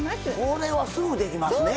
これはすぐできますね。